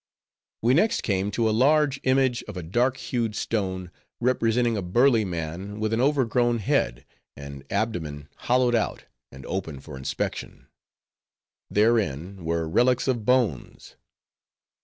We next came to a large image of a dark hued stone, representing a burly man, with an overgrown head, and abdomen hollowed out, and open for inspection; therein, were relics of bones.